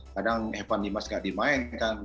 kadang evan limas tidak dimainkan